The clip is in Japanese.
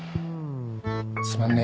すまんね